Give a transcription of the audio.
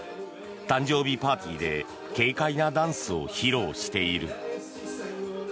誕生日パーティーで軽快なダンスを披露している。